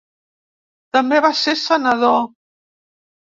També va ser senador.